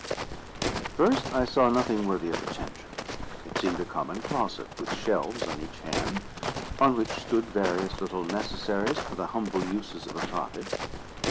At first, I saw nothing worthy of attention. It seemed a common closet, with shelves on each hand, on which stood various little necessaries for the humble uses of a cottage.